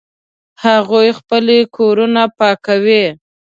هغوی خپلې کورونه پاکوي